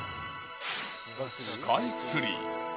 スカイツリー。